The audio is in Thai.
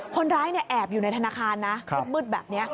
คนร้ายแอบอยู่ในธนาคารนะมืดแบบนี้